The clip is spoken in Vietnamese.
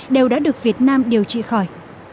đều đã được việt nam điều trị khỏi